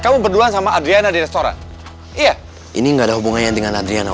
kamu pikir ini jalan nenek moyang kalian